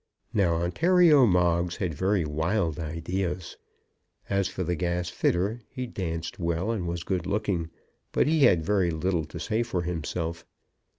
Now Ontario Moggs had very wild ideas. As for the gasfitter he danced well and was good looking, but he had very little to say for himself.